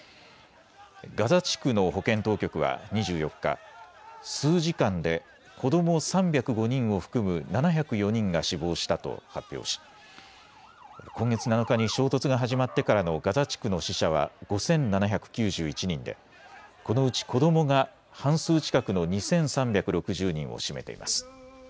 ガザ地区の保健当局は２４日、数時間で子ども３０５人を含む７０４人が死亡したと発表し今月７日に衝突が始まってからのガザ地区の死者は５７９１人でこのうち子どもが半数近くの２３６０人を占めています。